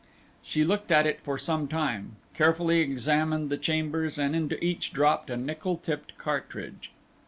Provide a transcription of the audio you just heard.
She looked at it for some time, carefully examined the chambers and into each dropped a nickel tipped cartridge.